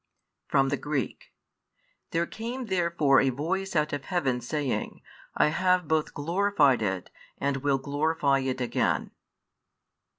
(From the Greek) There came therefore a voice out of heaven, saying, I have both glorified it, and will glorify it again.